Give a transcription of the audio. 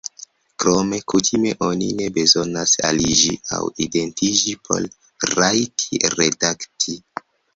Krome, kutime oni ne bezonas aliĝi aŭ identiĝi por rajti redakti.